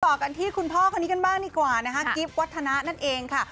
ต่อกันที่คุณพ่อคนนี้กันบ้างดีกว่านะคะกิฟต์วัฒนะนั่นเองค่ะ